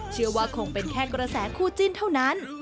เชื่อว่าคงเป็นแค่กระแสคู่จิ้นเท่านั้น